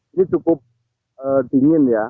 ini cukup dingin ya